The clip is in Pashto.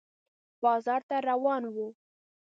بازار ته روان و